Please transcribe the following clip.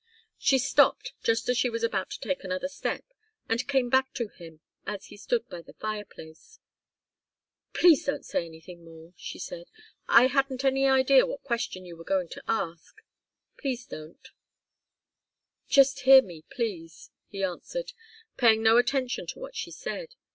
She stopped just as she was about to take another step, and came back to him as he stood by the fireplace. "Please don't say anything more," she said. "I hadn't any idea what question you were going to ask. Please don't " "Just hear me, please," he answered, paying no attention to what she said.